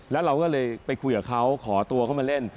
แล้วเราก็เลยไปคุยกับเขาขอตัวเข้ามาเล่น